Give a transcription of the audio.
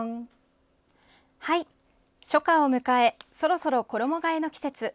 初夏を迎えそろそろ衣がえの季節。